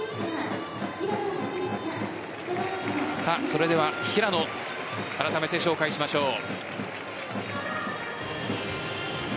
それでは平野あらためて紹介しましょう。